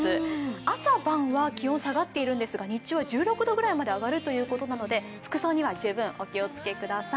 朝晩は気温が下がっているんですが、日中は１６度ぐらいに上がるということなので服装には十分お気をつけください。